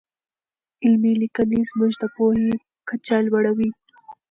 علمي لیکنې زموږ د پوهې کچه لوړوي.